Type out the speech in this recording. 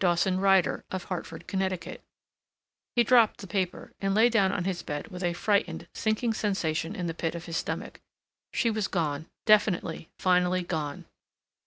Dawson Ryder, of Hartford, Connecticut—" He dropped the paper and lay down on his bed with a frightened, sinking sensation in the pit of his stomach. She was gone, definitely, finally gone.